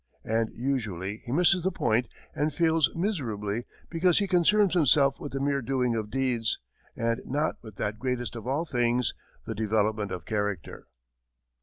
And usually he misses the point and fails miserably because he concerns himself with the mere doing of deeds, and not with that greatest of all things, the development of character.